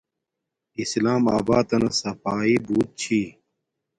اسلام آباتنا صاپاݵی بوت چھی